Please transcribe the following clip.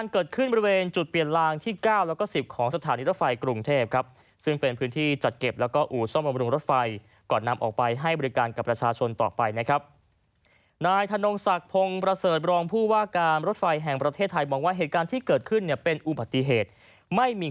เกิดขึ้นบริเวณจุดเปลี่ยนลางที่๙แล้วก็๑๐ของสถานีรถไฟกรุงเทพครับซึ่งเป็นพื้นที่จัดเก็บแล้วก็อู่ซ่อมบำรุงรถไฟก่อนนำออกไปให้บริการกับประชาชนต่อไปนะครับนายธนงศักดิ์พงศ์ประเสริฐบรองผู้ว่าการรถไฟแห่งประเทศไทยมองว่าเหตุการณ์ที่เกิดขึ้นเนี่ยเป็นอุบัติเหตุไม่มี